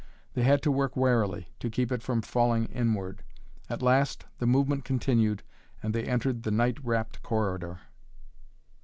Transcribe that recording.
They had to work warily, to keep it from falling inward. At last the movement continued and they entered the night wrapt corridor.